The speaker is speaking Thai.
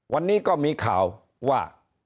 วันนี้ก็มีข่าวว่า